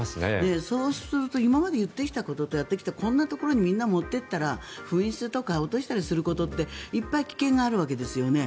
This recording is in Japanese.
そうすると今まで言ってきたこととやってきたことこんなところに持っていったら落としたりするとかそういう危険があるわけですよね。